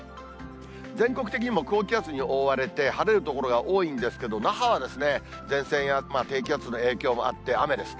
全国的にも高気圧に覆われて、晴れる所が多いんですけれども、那覇は前線や低気圧の影響もあって、雨です。